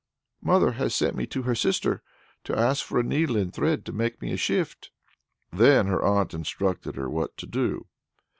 "Mother has sent me to her sister, to ask for a needle and thread to make me a shift." Then her aunt instructed her what to do.